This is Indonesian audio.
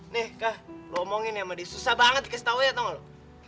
nih kak lu omongin sama dia susah banget dikasih tau ya tau gak lu